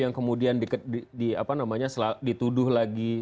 yang kemudian dituduh lagi